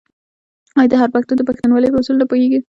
آیا هر پښتون د پښتونولۍ په اصولو نه پوهیږي؟